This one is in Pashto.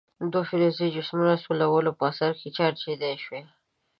دوه فلزي جسمونه د سولولو په اثر چارجداره شول.